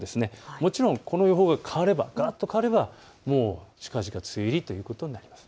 もちろんこの予報が変われば近々梅雨入りということになります。